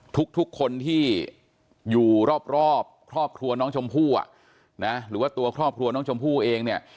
ทุกคนที่อยู่รอบครอบครัวน้องชมพู่หรือว่าตัวครอบครัวน้องชมพู่เองเนี่ย